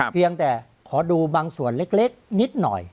เพียงแต่ขอดูบางส่วนเล็กนิดหน่อย